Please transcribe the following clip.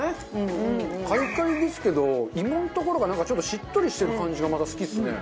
カリカリですけど芋の所がなんかちょっとしっとりしてる感じがまた好きっすね。